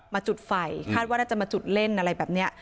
จุดไฟคาดว่าน่าจะมาจุดเล่นอะไรแบบนี้